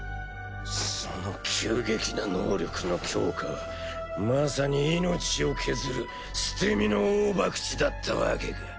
その急激な能力の強化はまさに命を削る捨て身の大博打だったわけか。